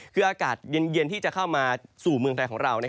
คืออากาศเย็นที่จะเข้ามาสู่เมืองไทยของเรา